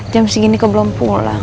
jam segini kau belum pulang